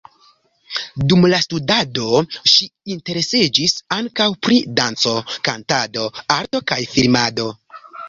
Dum la studado ŝi interesiĝis ankaŭ pri danco, kantado, arto kaj filmado.